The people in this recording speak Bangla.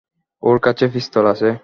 ওর কাছে পিস্তল আছে।